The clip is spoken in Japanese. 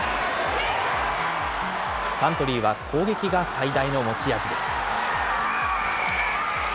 サントリーは攻撃が最大の持ち味です。